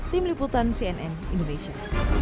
tim liputan cnn indonesia